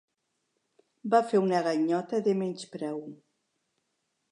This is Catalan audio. Va fer una ganyota de menyspreu.